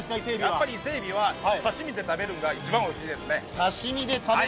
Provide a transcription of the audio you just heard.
やっぱり伊勢えびは刺身で食べるのが一番ですね。